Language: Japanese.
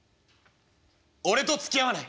「俺とつきあわない？」。